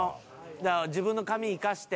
「だから自分の髪生かして」